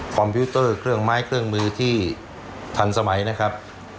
พิวเตอร์เครื่องไม้เครื่องมือที่ทันสมัยนะครับ